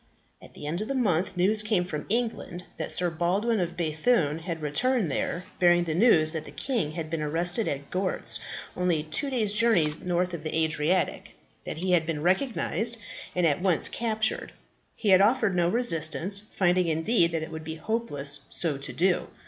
At the end of a month, news came from England that Sir Baldwin of B‚thune had returned there, bearing the news that the King had been arrested at Gortz, only two days' journey north of the Adriatic that he had been recognized, and at once captured. He had offered no resistance, finding indeed that it would be hopeless so to do.